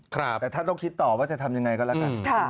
แต่ท่านต้องคิดต่อว่าจะทำยังไงก็แล้วกัน